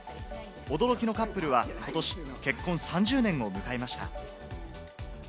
驚きのカップルは、ことし結婚３０年を迎えました。